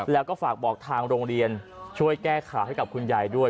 แล้วก็ฝากบอกทางโรงเรียนช่วยแก้ข่าวให้กับคุณยายด้วย